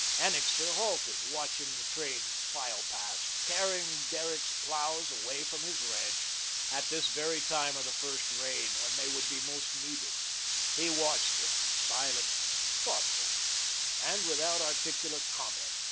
Annixter halted, watching the train file past, carrying Derrick's ploughs away from his ranch, at this very time of the first rain, when they would be most needed. He watched it, silent, thoughtful, and without articulate comment.